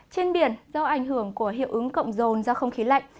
trên biển do ảnh hưởng của hiệu ứng cộng rồn do không khí lạnh